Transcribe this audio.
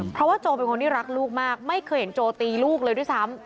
เพราะว่าโจเป็นคนที่รักลูกมากไม่เคยเห็นโจตีลูกเลยด้วยซ้ำ